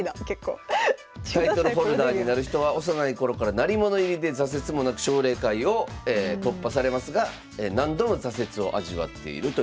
タイトルホルダーになる人は幼い頃から鳴り物入りで挫折もなく奨励会を突破されますが何度も挫折を味わっているということです。